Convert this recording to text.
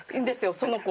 その子は。